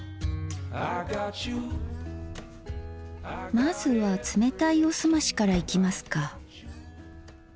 まずは冷たいおすましからいきますか。